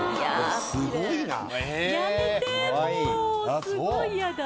すごいな。